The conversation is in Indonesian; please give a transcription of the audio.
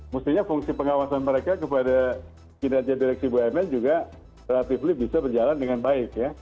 mestinya fungsi pengawasan mereka kepada kinerja direksi bumn juga relatif bisa berjalan dengan baik ya